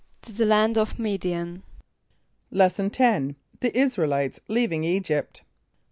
=To the land ot M[)i]d´[)i] an.= Lesson X. The Israelites Leaving Egypt.